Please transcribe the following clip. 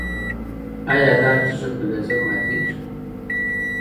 ایا دا تیږه په لیزر ماتیږي؟